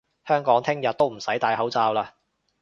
香港聽日都唔使戴口罩嘞！